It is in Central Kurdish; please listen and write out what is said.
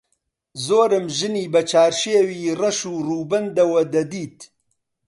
زۆرم ژنی بە چارشێوی ڕەش و ڕووبەندەوە دەدیت